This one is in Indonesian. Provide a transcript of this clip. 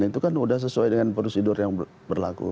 itu kan sudah sesuai dengan prosedur yang berlaku